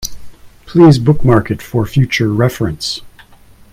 Please bookmark it for future reference.